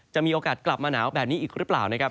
จะมีโอกาสกลับมาหนาวแบบนี้อีกหรือเปล่านะครับ